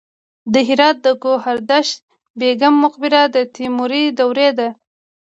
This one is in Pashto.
د هرات د ګوهردش بیګم مقبره د تیموري دورې ده